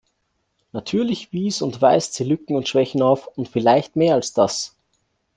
Natürlich wies und weist sie Lücken und Schwächen auf, und vielleicht mehr als das.